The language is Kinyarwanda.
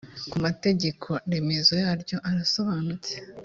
ku mategeko remezo yaryo arasobanutse